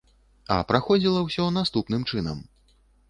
А праходзіла ўсё наступным чынам.